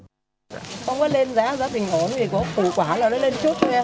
không có lên giá giá tình hồn vì có phủ quả là nó lên chút